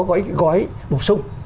có cái gói bổ sung